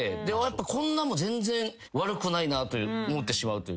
こんなんも全然悪くないなと思ってしまうというか。